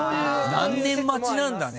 何年待ちなんだね。